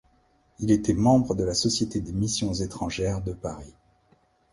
Il était membre de la société des Missions étrangères de Paris.